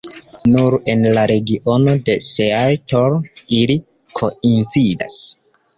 Nur en la regiono de Seattle ili koincidas.